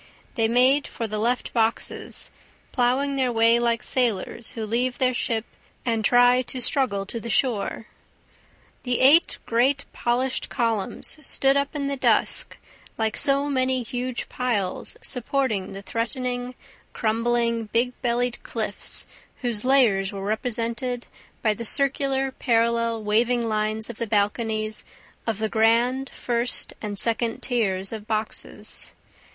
They made for the left boxes, plowing their way like sailors who leave their ship and try to struggle to the shore. The eight great polished columns stood up in the dusk like so many huge piles supporting the threatening, crumbling, big bellied cliffs whose layers were represented by the circular, parallel, waving lines of the balconies of the grand, first and second tiers of boxes.